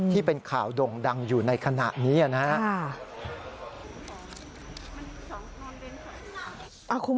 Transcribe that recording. ที่เป็นข่าวด่งดังอยู่ในขณะนี้นะครับ